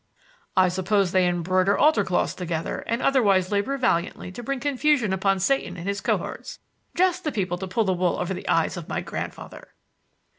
"I suppose they embroider altar cloths together and otherwise labor valiantly to bring confusion upon Satan and his cohorts. Just the people to pull the wool over the eyes of my grandfather!"